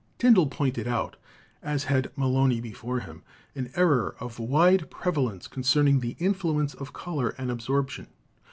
Tyndall pointed out (as had Melloni before him) an error of wide prevalence concerning the influence of color and absorption.